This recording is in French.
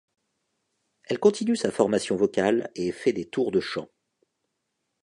Elle continue sa formation vocale et fait des tours de chant.